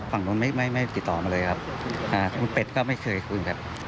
ฝั่งโน้นไม่ติดต่อมาเลยครับเป็ดก็ไม่เคยคุณครับ